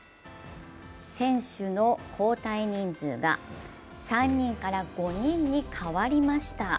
選手の交代人数が３人から５人に変わりました。